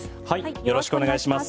よろしくお願いします。